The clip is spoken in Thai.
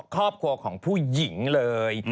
ครอบครัวของผู้หญิงเลย